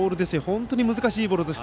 本当に難しいボールです。